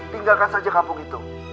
tinggalkan saja kampung itu